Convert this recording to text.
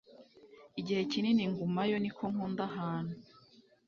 igihe kinini ngumayo, niko nkunda ahantu